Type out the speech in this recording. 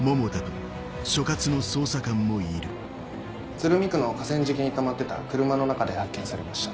鶴見区の河川敷に止まってた車の中で発見されました。